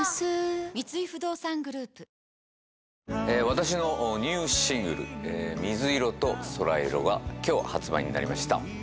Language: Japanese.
私のニューシングル「水色と空色」が今日発売になりました